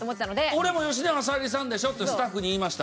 俺も吉永小百合さんでしょってスタッフに言いました。